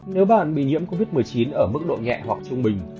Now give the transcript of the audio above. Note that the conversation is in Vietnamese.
nếu bạn bị nhiễm covid một mươi chín ở mức độ nhẹ hoặc trung bình